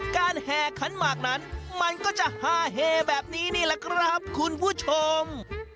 การแห่ขั้นมากนั้นมันก็จะห้าเฮ้แบบนี้นี่ล่ะครับคุณผู้ชม